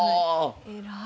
偉い。